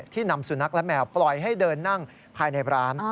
นำสุนัขและแมวปล่อยให้เดินนั่งภายในร้าน